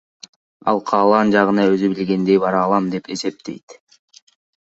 Ал каалаган жагына өзү билгендей бара алам деп эсептейт.